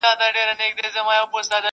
یاره کله به سیالان سو دجهانه.